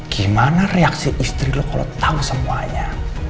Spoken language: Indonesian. gimana reaksi istri lu kalo tau semuanya